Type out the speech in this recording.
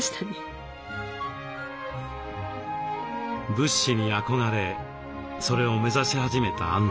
仏師に憧れそれを目指し始めたあんどうさん。